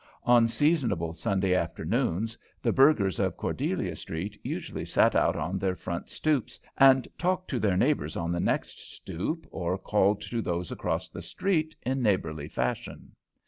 On seasonable Sunday afternoons the burghers of Cordelia Street usually sat out on their front "stoops," and talked to their neighbours on the next stoop, or called to those across the street in neighbourly fashion.